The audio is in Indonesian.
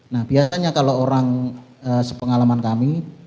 nah biasanya kalau orang sepengalaman kami